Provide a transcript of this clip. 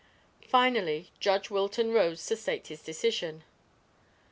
Finally Judge Wilton rose to state his decision.